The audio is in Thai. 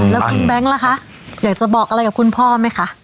แล้วคุณแบงค์ล่ะคะอยากจะบอกอะไรกับคุณพ่อไหมคะ